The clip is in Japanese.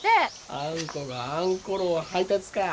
あんこがあんころを配達か。